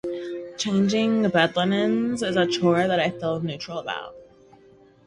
Changing bed linens is a chore that I feel neutral about.